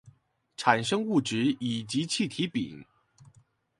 產生物質乙及氣體丙